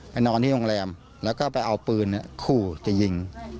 นอนที่โรงแรมแล้วก็ไปเอาปืนขู่จะยิง